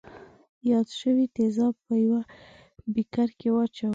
یاد شوي تیزاب په یوه بیکر کې واچوئ.